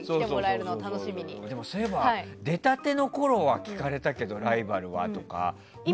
そういえば出たてのころは聞かれたけどライバルは？とか。